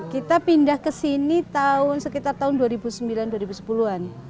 kita pindah ke sini sekitar tahun dua ribu sembilan dua ribu sepuluh an